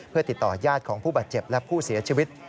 เพื่อติดต่อยาดของผู้บาดเจ็บและผู้เสียชีวิต